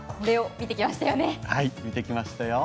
見てきましたよ。